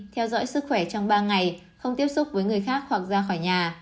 theo dõi sức khỏe trong ba ngày không tiếp xúc với người khác hoặc ra khỏi nhà